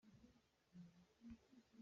A kam a temh len ko.